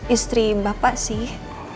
istri bapak sih